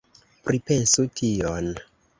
Pripensu tion!